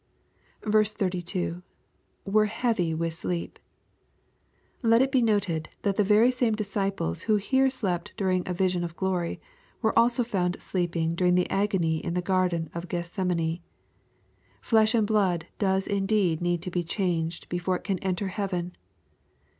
2j2. y [ Wert heavy vnth Bleep.] Let it be noted that the very same I disciples who here slept during a vision of glory, were also found / sleeping during the agony in the garden of Gethsemane. Flesh I and blood does indeed need to be changed before it can enter I heaven